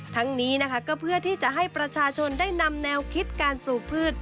ทั้งนี้นะคะก็เพื่อที่จะให้ประชาชนได้นำแนวคิดการปลูกพืช